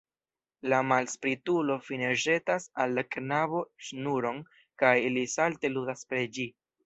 La malspritulo fine ĵetas al la knabo ŝnuron kaj li salte ludas per ĝi.